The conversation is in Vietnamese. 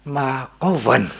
mà có vần